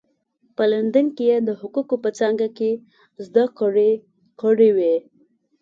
په لندن کې یې د حقوقو په څانګه کې زده کړې کړې وې.